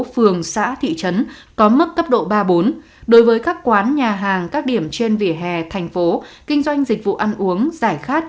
phường xã thị trấn có mức cấp độ ba bốn đối với các quán nhà hàng các điểm trên vỉa hè thành phố kinh doanh dịch vụ ăn uống giải khát